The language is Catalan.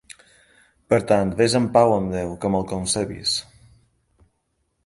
Per tant, ves en pau amb Déu, com el concebis.